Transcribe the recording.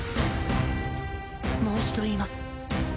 もう一度言います